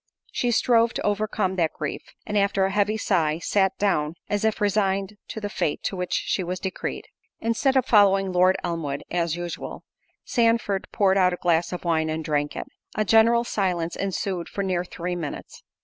She strove to overcome that grief, and after a heavy sigh, sat down, as if resigned to the fate to which she was decreed. Instead of following Lord Elmwood, as usual, Sandford poured out a glass of wine, and drank it. A general silence ensued for near three minutes.